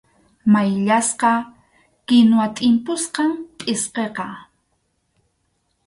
Mayllasqa kinwa tʼimpusqam pʼsqiqa.